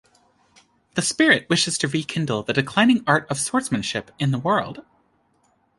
The spirit wishes to rekindle the declining art of swordsmanship in the world.